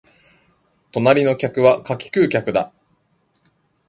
隣の客は柿食う客だ